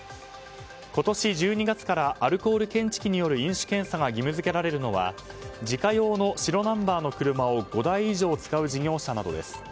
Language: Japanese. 今年１２月からアルコール検知器による飲酒検査が義務付けられるのは自家用の白ナンバーの車を５台以上使う事業者などです。